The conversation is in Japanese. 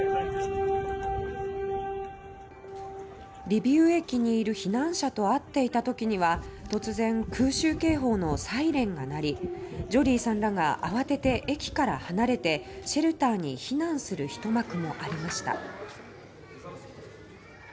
リビウ駅にいる避難者と会っていた時には突然、空襲警報のサイレンが鳴りジョリーさんらが慌てて駅から離れてシェルターに避難する一幕もありました。